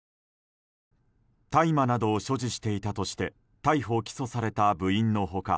大麻などを所持していたとして逮捕・起訴された部員の他